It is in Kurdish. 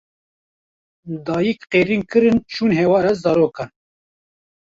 Dayîk qîrîn kirin çûn hewara zarokan